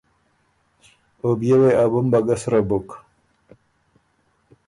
او بيې وې ا بُمبه ګۀ سرۀ بُک۔